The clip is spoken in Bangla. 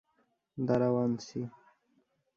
দাঁড়াও, আনছি।